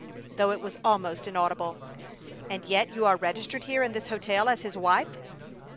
though it was almost inaudible. "And yet you are registered here in this hotel as his wife?"